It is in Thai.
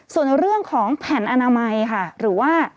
ส่วนในเรื่องของแผ่นอนามัยค่ะหรือว่า